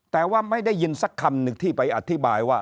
แต่ว่าไม่ได้ยินสักคำหนึ่งที่ไปอธิบายว่า